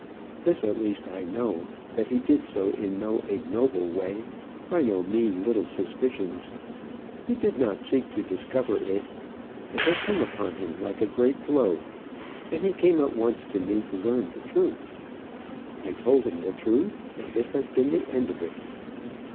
This at least I know, that he did so in no ignoble way, by no mean little suspicions. He did not seek to discover it. It had come upon him like a great blow, and he came at once to me to learn the truth. I told him the truth, and this has been the end of it.